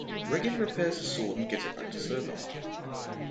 Reginn repairs the sword and gives it back to Sigurd.